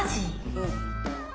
うん。